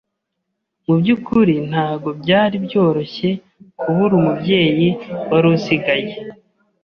mu byukuri ntago byari byoroshye kubura umubyeyi wari usigaye